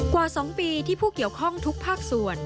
กว่า๒ปีที่ผู้เกี่ยวข้องทุกภาคส่วน